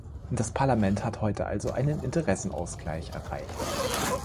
Das Parlament hat heute also einen Interessenausgleich erreicht.